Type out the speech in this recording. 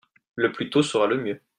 Le plus tôt sera le mieux.